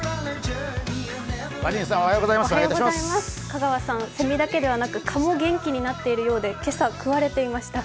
香川さん、セミだけではなく蚊も元気になっているようで今朝、くわれていました。